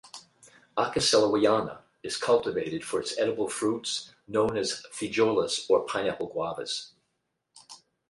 "Acca sellowiana" is cultivated for its edible fruits, known as feijoas or pineapple guavas.